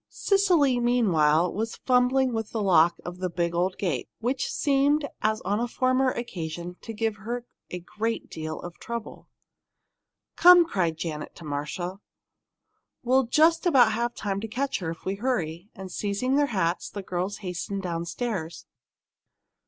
Cecily, meanwhile, was fumbling with the lock of the big old gate, which seemed, as on a former occasion, to give her a great deal of trouble. "Come," cried Janet to Marcia. "We'll just about have time to catch her if we hurry." And seizing their hats, the girls hastened downstairs.